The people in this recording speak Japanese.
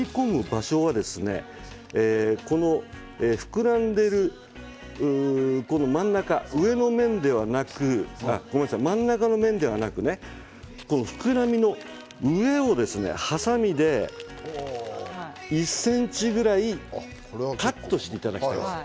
場所は、膨らんでいる真ん中、上の面ではなくごめんなさい真ん中ではなく膨らみの上をはさみで１ｃｍくらいカットしていただきたいんです。